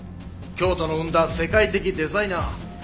京都の生んだ世界的デザイナー。